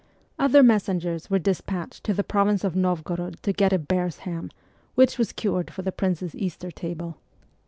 Other messengers were dispatched to the province of Novgorod to get a bear's ham, which was cured for the prince's Easter table.